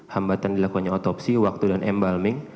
hambatan dilakukannya otopsi waktu dan embalming